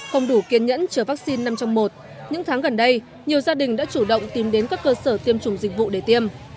không đủ kiên nhẫn chờ vaccine năm trong một những tháng gần đây nhiều gia đình đã chủ động tìm đến các cơ sở tiêm chủng dịch vụ để tiêm